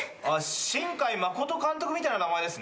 新海誠監督みたいな名前ですね。